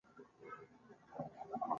د پسونو کبابو بویونه راباندې ډېر ښه لګېدل.